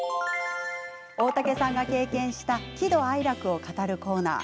大竹さんが経験した喜怒哀楽を語るコーナー。